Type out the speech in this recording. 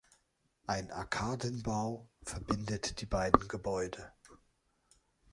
Ein Arkadenbau verbindet die beiden Gebäude.